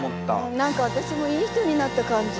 何かわたしもいい人になった感じ。